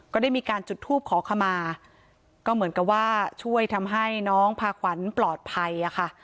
ก็ได้มีการจุดทูปขอขมาก็เหมือนกับว่าช่วยทำให้น้องพาขวัญปลอดภัยค่ะ